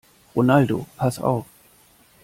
Ronaldo, pass auf!